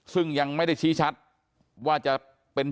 ซึ่งยังไม่ได้ชี้ชัดว่าจะเป็น